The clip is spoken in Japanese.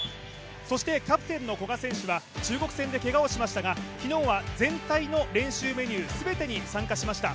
そしてキャプテンの古賀選手は中国戦でけがをしましたが昨日は全体の練習メニュー全てに参加しました。